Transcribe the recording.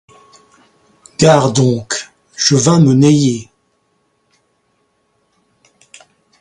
Gare donc ! je vas me neyer !